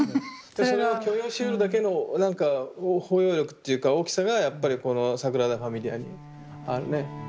それを許容しうるだけのなんか包容力っていうか大きさがやっぱりこのサグラダ・ファミリアにあるねっていう感じがしますよね。